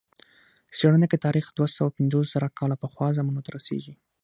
څېړنه کې تاریخ دوه سوه پنځوس زره کاله پخوا زمانو ته رسېږي.